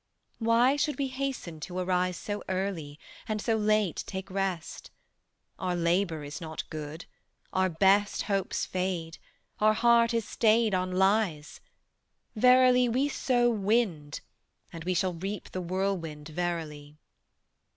Why should we hasten to arise So early, and so late take rest? Our labor is not good; our best Hopes fade; our heart is stayed on lies: Verily, we sow wind; and we Shall reap the whirlwind, verily.